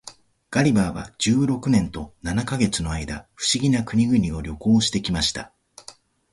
ガリバーは十六年と七ヵ月の間、不思議な国々を旅行して来ました。